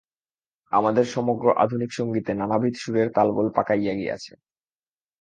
আমাদের সমগ্র আধুনিক সঙ্গীতে নানাবিধ সুরের তালগোল পাকাইয়া গিয়াছে।